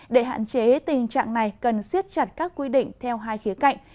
để hạn chế tình trạng này cần siết chặt các quy định theo hai khía cạnh